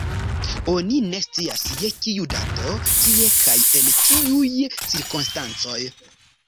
Oni ne scias je kiu dato, kie kaj en kiuj cirkonstancoj.